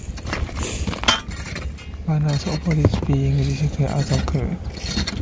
Ganas opposes being described as a cult.